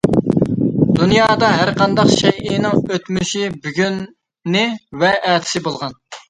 دۇنيادا ھەر قانداق شەيئىنىڭ ئۆتمۈشى، بۈگۈنى ۋە ئەتىسى بولغان.